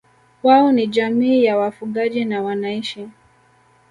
wao ni jamii ya wafugaji na wanaishi